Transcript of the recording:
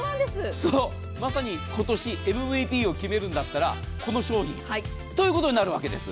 まさに今年ＭＶＰを決めるんだったらこの商品ということになるわけです。